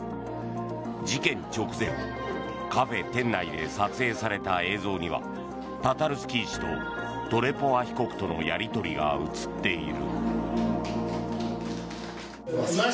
事件直前カフェ店内で撮影された映像にはタタルスキー氏とトレポワ被告とのやり取りが映っている。